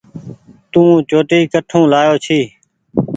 تو چوٽي ڪٺو لآيو ڇي۔